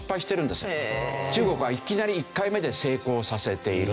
中国はいきなり１回目で成功させている。